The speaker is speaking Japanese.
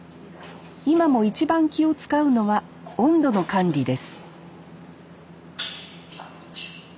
今も一番気を遣うのは温度の管理です